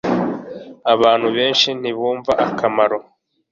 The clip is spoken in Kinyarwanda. Abantu benshi ntibumva akamaro